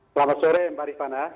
selamat sore mbak rifana